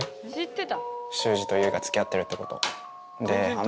秀司と結衣が付き合ってるってこと。